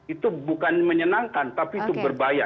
itu bukan menyenangkan tapi itu berbahaya